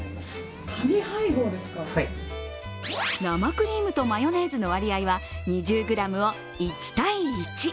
生クリームとマヨネーズの割合は２０ｇを１対１。